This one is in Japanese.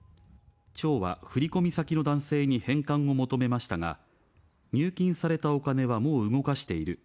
町は振り込み先の男性に返還を求めましたが、入金されたお金はもう動かしている。